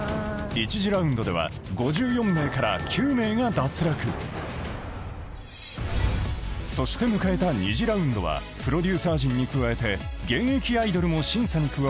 １次ラウンドでは５４名から９名が脱落そして迎えた２次ラウンドはプロデューサー陣に加えて現役アイドルも審査に加わる